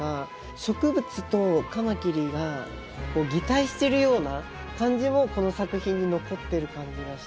植物とカマキリが擬態してるような感じもこの作品に残ってる感じがして。